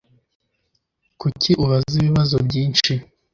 Kuki ubaza ibibazo byinshi?